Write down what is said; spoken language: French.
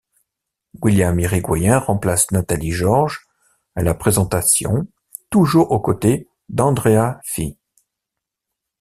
William Irigoyen remplace Nathalie Georges à la présentation toujours aux côtés d'Andrea Fies.